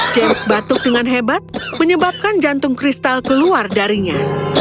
james batuk dengan hebat menyebabkan jantung kristal keluar darinya